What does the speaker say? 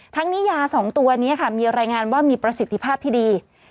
นี้ยา๒ตัวนี้ค่ะมีรายงานว่ามีประสิทธิภาพที่ดี